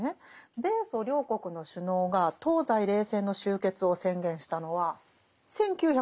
米ソ両国の首脳が東西冷戦の終結を宣言したのは１９８９年のことでしたよね。